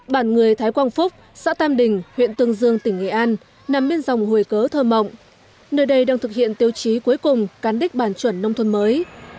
bản người thái quang phúc xã tam đình huyện tương dương tỉnh nghệ an nằm bên dòng hồi cớ thơ mộng nơi đây đang thực hiện tiêu chí cuối cùng cán đích bản chuẩn nông thôn mới